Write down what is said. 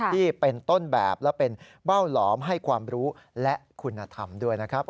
ที่เป็นต้นแบบและเป็นเบ้าหลอมให้ความรู้และคุณธรรมด้วยนะครับ